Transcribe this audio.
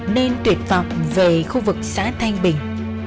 nên tuyệt vọng về khu vực xã thanh bình